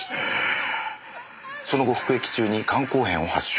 その後服役中に肝硬変を発症。